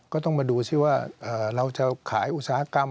ก็ต้องมาดูซิว่าเราจะขายอุตสาหกรรม